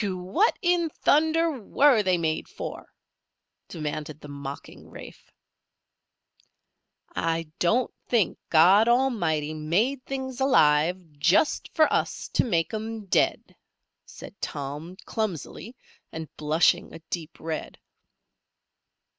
"Whew! What in thunder were they made for?" demanded the mocking Rafe. "I don't think God Almighty made things alive just for us to make 'em dead," said Tom, clumsily, and blushing a deep red.